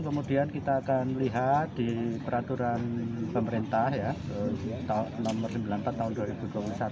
kemudian kita akan lihat di peraturan pemerintah nomor sembilan puluh empat tahun dua ribu dua puluh satu